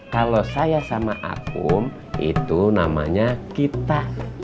kalau saya sama akum itu namanya kita